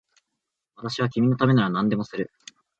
私は君のためなら何でもする